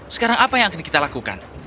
sekarang apa yang akan kita lakukan